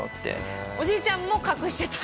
おじいちゃんも隠してた。